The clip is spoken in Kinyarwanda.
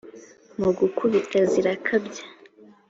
Mu gukubita zirakabya